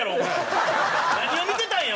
何を見てたんや？